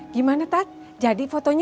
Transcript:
gimana tat jadi fotonya